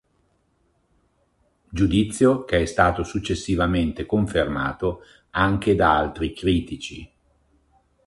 Giudizio che è stato successivamente confermato anche da altri critici.